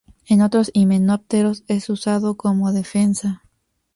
En otros himenópteros es usado como defensa.